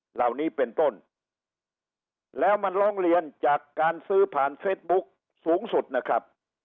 เหล่านี้เป็นต้นแล้วมันร้องเรียนจากการซื้อผ่านเฟสบุ๊คสูงสุดนะครับ